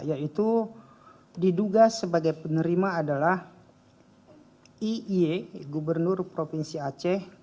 yaitu diduga sebagai penerima adalah iye gubernur provinsi aceh